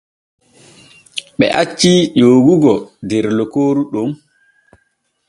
Ɓe acci ƴoogogo der lokooru ɗon.